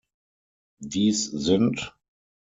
Dies sind